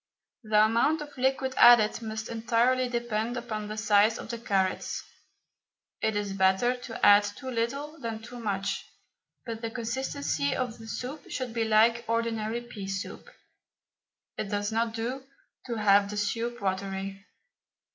The amount of liquid added must entirely depend upon the size of the carrots. It is better to add too little than too much, but the consistency of the soup should be like ordinary pea soup; it does not do to have the soup watery.